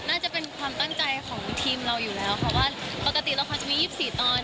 น่าจะเป็นความตั้งใจของทีมเราอยู่แล้วค่ะว่าปกติละครจะมี๒๔ตอน